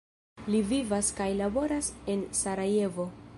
Li vivas kaj laboras en Sarajevo.